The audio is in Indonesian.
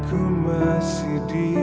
aku masih di dunia